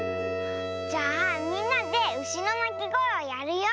じゃあみんなでうしのなきごえをやるよ。